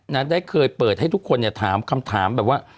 ได้เคยเปิดให้ทุกคนเนี่ยถามคำถามแบบว่า